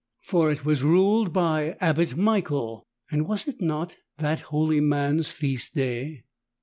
For it was ruled by Abbot Michael, and was it not that holy man's feast day